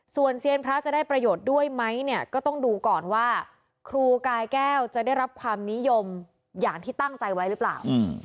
ส่วนเซียนพระจะได้ประโยชน์ด้วยไหมเนี่ยก็ต้องดูก่อนว่าครูกายแก้วจะได้รับความนิยมอย่างที่ตั้งใจไว้หรือเปล่า